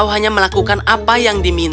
kau hanya melakukan apa yang diperlukan